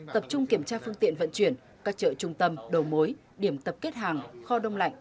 tập trung kiểm tra phương tiện vận chuyển các chợ trung tâm đầu mối điểm tập kết hàng kho đông lạnh